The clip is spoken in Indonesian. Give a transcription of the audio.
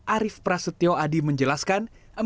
arief prasetyo adi menjelaskan